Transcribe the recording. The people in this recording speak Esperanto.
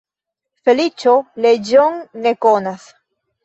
Feliĉo leĝon ne konas.